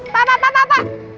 pak pak pak pak